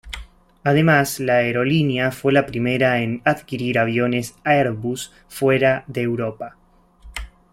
Además, la aerolínea fue la primera en adquirir aviones Airbus fuera de Europa.